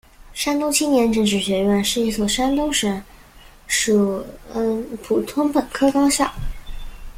山东青年政治学院是一所山东省属普通本科高校。